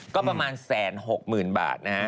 ก็ประมาณ๑๖๐๐๐บาทนะฮะ